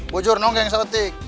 bujur nonggeng sepetik